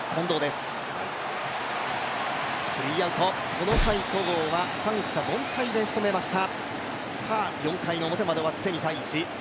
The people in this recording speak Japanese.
この回、戸郷は三者凡退で仕留めました。